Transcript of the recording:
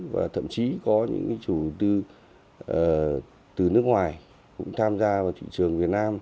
và thậm chí có những chủ tư từ nước ngoài cũng tham gia vào thị trường việt nam